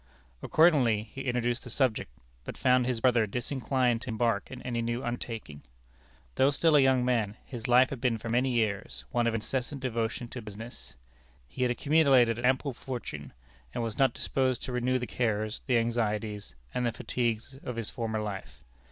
Accordingly, he introduced the subject, but found his brother disinclined to embark in any new undertaking. Though still a young man, his life had been for many years one of incessant devotion to business. He had accumulated an ample fortune, and was not disposed to renew the cares, the anxieties, and the fatigues of his former life.